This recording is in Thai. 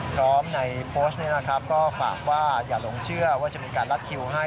พร้อมในโปรสก็ฝากว่าอย่าลงเชื่อว่าจะมีการรับคิวให้